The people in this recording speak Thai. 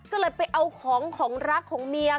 ก็เลยไปเอาของของรักของเมีย